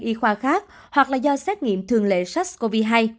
y khoa khác hoặc là do xét nghiệm thường lệ sars cov hai